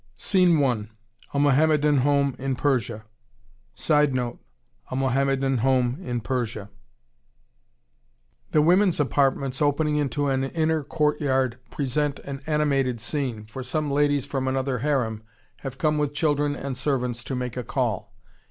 Scene One: A Mohammedan home in Persia. [Sidenote: A Mohammedan home in Persia.] The women's apartments opening onto an inner court yard present an animated scene, for some ladies from another harem have come with children and servants to make a call; _i.e.